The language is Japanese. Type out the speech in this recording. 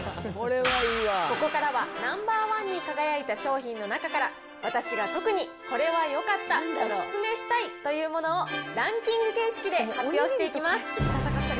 ここからはナンバーワンに輝いた商品の中から、私が特にこれはよかった、お勧めしたいというものを、ランキング形式で発表していきます。